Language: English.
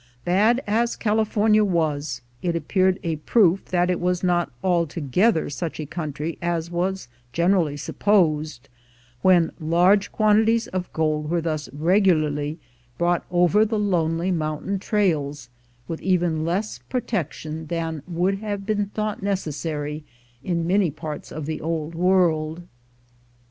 Bad as California was, it appeared a proof that it was not altogether such a country as was generally supposed, when large quantities of gold were thus regularly brought A BAND OF WANDERERS 249 over the lonely mountain trails, with even less pro tection than would have been thought necessary in many parts of the Old World.